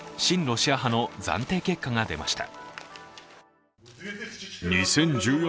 ロシア派の暫定結果が出ました。